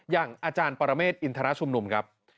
อย่างอาจารย์ปรเมฆอินทรชุมนุมครับ